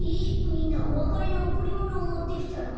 みんなおわかれのおくりものをもってきたの？